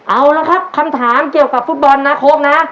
เอาละครับคำถามเกี่ยวกับฟุตบอลนะโค้งนะ